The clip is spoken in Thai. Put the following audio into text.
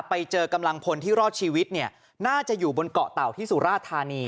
ไปเจอกำลังพลที่รอดชีวิตเนี่ยน่าจะอยู่บนเกาะเต่าที่สุราธานี